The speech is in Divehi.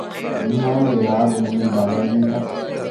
ނިހާންގެ ރާގު މުޅިން ބަދަލުވީތަ؟